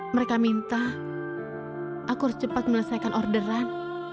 mereka minta aku harus cepat menyelesaikan orderan